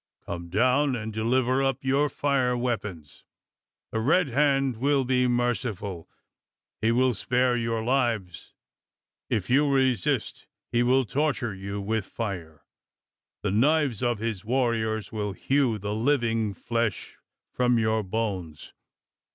Come down, and deliver up your fire weapons! The Red Hand will be merciful: he will spare your lives. If you resist, he will torture you with fire. The knives of his warriors will hew the living flesh from your bones.